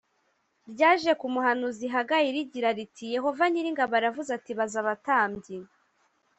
ryaje ku muhanuzi hagayi k rigira riti yehova nyir ingabo aravuze ati baza abatambyi